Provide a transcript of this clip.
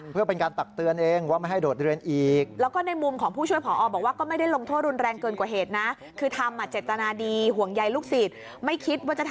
เพื่อเป็นการตักเตือนเองว่าไม่ให้โดดเรียนอีก